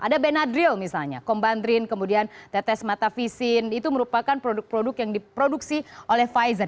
ada benadril misalnya combandrin kemudian tetes mata visin itu merupakan produk produk yang diproduksi oleh pfizer